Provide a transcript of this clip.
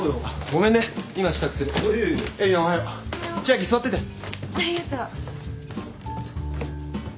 ありがとう。